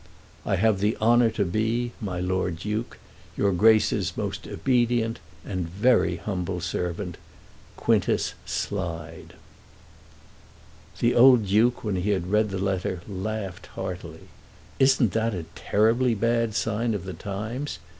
I have the honour to be, My Lord Duke, Your Grace's most obedient And very humble servant, QUINTUS SLIDE. The old Duke, when he had read the letter, laughed heartily. "Isn't that a terribly bad sign of the times?"